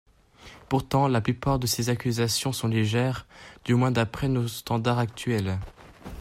Pourtant, la plupart de ces accusations sont légères, du moins d'après nos standards actuels.